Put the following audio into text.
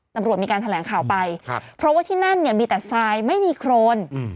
ตำรวจมีการแถลงข่าวไปครับเพราะว่าที่นั่นเนี่ยมีแต่ทรายไม่มีโครน